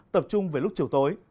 tập trung với lúc chiều tối